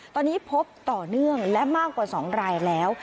ตอนนี้พบต่อเนื่องและมากกว่า๒รายแล้ว